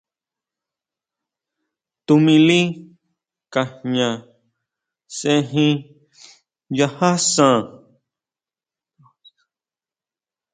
Tuʼmili Ka jña sejin nchaja san.